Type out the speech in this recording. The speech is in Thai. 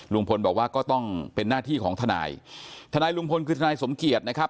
ลุงพลบอกว่าก็ต้องเป็นหน้าที่ของทนายทนายลุงพลคือทนายสมเกียจนะครับ